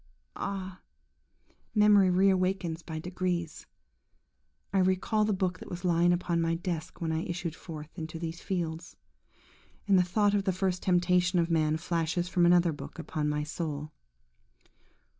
–Ah! memory re awakens by degrees. I recall the book that was lying upon my desk when I issued forth into these fields; and the thought of the first temptation of man flashes from another book upon my soul.